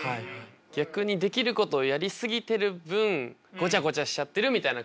逆にできることをやり過ぎてる分ゴチャゴチャしちゃってるみたいな感じ。